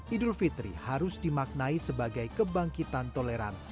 idul fitri harus dimaknai sebagai kebangkitan toleransi